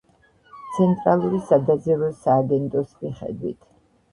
ცენტრალური სადაზვერვო სააგენტოს მიხედვით.